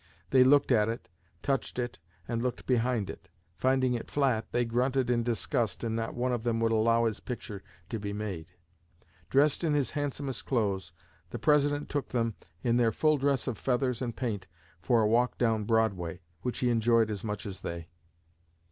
They looked at it, touched it and looked behind it. Finding it flat, they grunted in disgust and not one of them would allow his picture to be made! Dressed in his handsomest clothes, the President took them, in their full dress of feathers and paint, for a walk down Broadway, which he enjoyed as much as they.